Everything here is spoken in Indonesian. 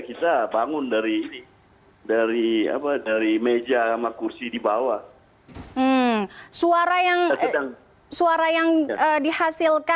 kedua anggota dpr tersebut juga tidak mengalami luka